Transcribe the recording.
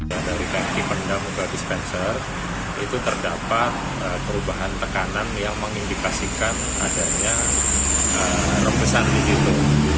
dari tangki pendam ke dispenser itu terdapat perubahan tekanan yang mengindikasikan adanya rembesan di situ